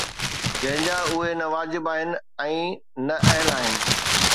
جنهن جا اهي نه واجب آهن ۽ نه اهل آهن